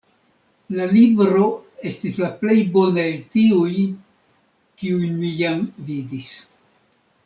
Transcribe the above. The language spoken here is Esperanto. La libro estis la plej bona el tiuj, kiujn mi jam vidis.